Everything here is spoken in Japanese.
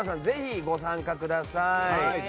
ぜひご参加ください。